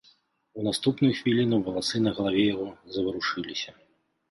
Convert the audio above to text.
У наступную хвіліну валасы на галаве яго заварушыліся.